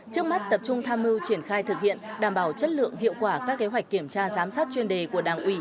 trước mắt tập trung tham mưu triển khai thực hiện đảm bảo chất lượng hiệu quả các kế hoạch kiểm tra giám sát chuyên đề của đảng ủy